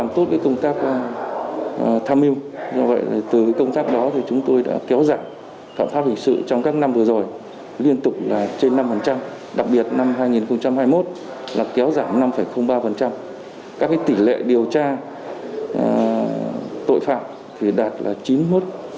thứ bảy phần trăm